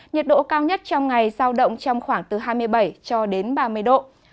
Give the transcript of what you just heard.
nhiệt độ cao nhất trong ngày giao động trong khoảng từ hai mươi năm cho đến hai mươi tám độ